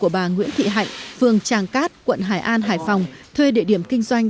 phường tràng cát quận hải an hải phòng thuê địa điểm kinh doanh